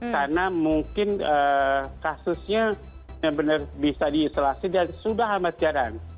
karena mungkin kasusnya benar benar bisa diisolasi dan sudah hambat jalan